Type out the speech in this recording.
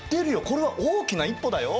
これは大きな一歩だよ。